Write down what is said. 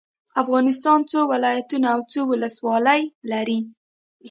افغانستان څو ولايتونه او څو ولسوالي لري؟